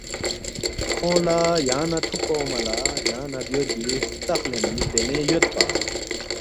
کھونگ لہ یانگ نہ تُھوکپا اونگما لہ یانگ نہ بیوربی ہرتخ لینمی پینے یودپا